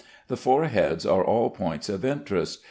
The four heads are all points of interest.